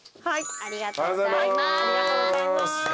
ありがとうございます。